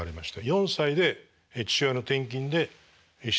４歳で父親の転勤で静岡に。